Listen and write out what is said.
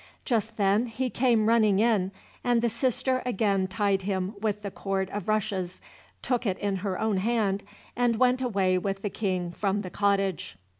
Just then he came running in, and the sister again tied him with the cord of rushes, took it in her own hand, and went away with the King from the cottage.